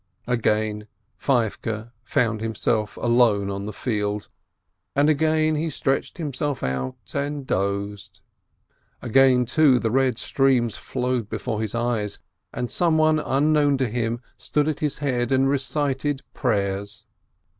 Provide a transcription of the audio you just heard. Again Feivke found himself alone on the field, and again he stretched himself out and dozed. Again, too, the red streams flowed before his eyes, and someone unknown to him stood at his head and recited pray ers.